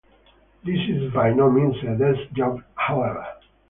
This is by no means a 'desk job,' however.